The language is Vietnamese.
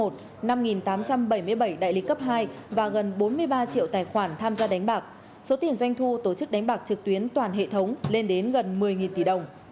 năm tám trăm bảy mươi bảy đại lý cấp hai và gần bốn mươi ba triệu tài khoản tham gia đánh bạc số tiền doanh thu tổ chức đánh bạc trực tuyến toàn hệ thống lên đến gần một mươi tỷ đồng